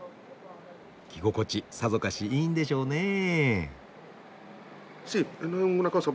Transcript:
着心地さぞかしいいんでしょうねえ。